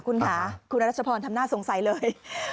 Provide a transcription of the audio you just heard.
คุณราชพลทำหน้าสงสัยเลย